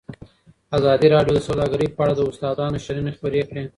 ازادي راډیو د سوداګري په اړه د استادانو شننې خپرې کړي.